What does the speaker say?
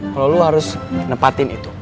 kalo lo harus nepatin itu